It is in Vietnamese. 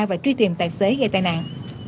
và truy tìm tài xế gây tai nạn